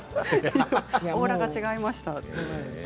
オーラが違いました。